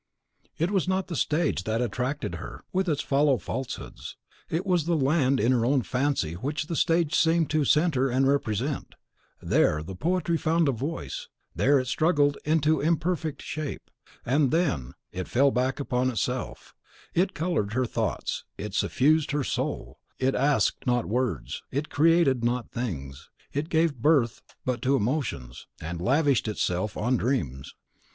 It was not the stage that attracted her, with its hollow falsehoods; it was the land in her own fancy which the stage seemed to centre and represent. There the poetry found a voice, there it struggled into imperfect shape; and then (that land insufficient for it) it fell back upon itself. It coloured her thoughts, it suffused her soul; it asked not words, it created not things; it gave birth but to emotions, and lavished itself on dreams.